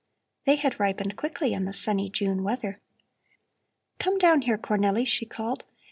They had ripened quickly in the sunny June weather. "Come down here, Cornelli!" she called.